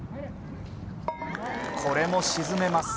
これも沈めます。